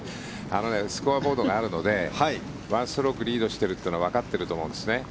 スコアボードがあるので１ストロークリードしているというのはわかっていると思うんですね。